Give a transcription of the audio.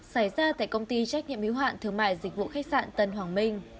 xảy ra tại công ty trách nhiệm hiếu hạn thương mại dịch vụ khách sạn tân hoàng minh